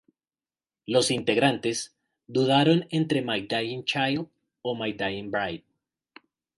Los integrantes dudaron entre "My Dying Child" o "My Dying Bride".